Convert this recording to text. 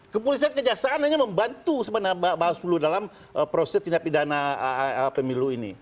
kepolisian kejaksaan hanya membantu sebenarnya bawaslu dalam proses tindak pidana pemilu ini